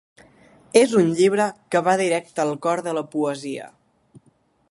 És un llibre que va directe al cor de la poesia.